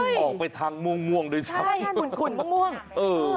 ออกไปทางม่วงม่วงด้วยซ้ำใช่ค่ะขุนขุนม่วงม่วงเออ